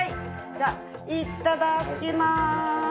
じゃいただきます。